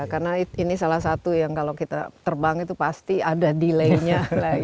karena ini salah satu yang kalau kita terbang itu pasti ada delay nya